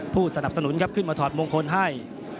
ผู้สนับสนุนครับขึ้นมาถอดมงคลให้